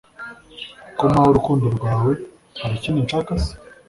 Ko mpawe urukundo rwawe hari ikindi nshaka se